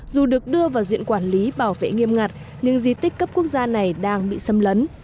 dù được đưa vào diện quản lý bảo vệ nghiêm ngặt nhưng di tích cấp quốc gia này đang bị xâm lấn